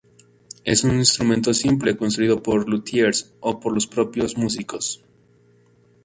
Es un instrumento simple construido por luthiers, o por los propios músicos.